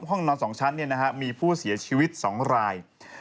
ห้องนอน๒ชั้นมีผู้เสียชีวิต๒ราย